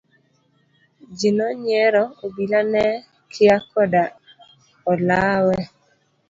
Ji nonyiero, obila ne kia koda olawe.